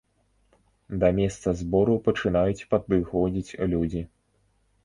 Да месца збору пачынаюць падыходзіць людзі.